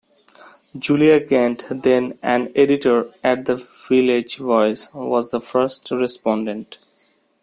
Julia Kent, then an editor at the Village Voice, was the first respondent.